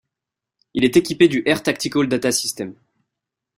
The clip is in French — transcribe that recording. Il est équipé du Air Tactical Data System.